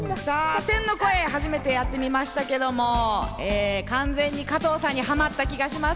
天の声、初めてやってみましたけれども、完全に加藤さんにハマった気がします。